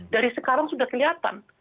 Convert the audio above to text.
dari sekarang sudah kelihatan